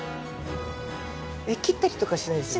えっ切ったりとかしないですよね？